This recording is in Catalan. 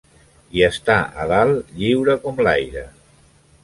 I està a dalt lliure com l'aire.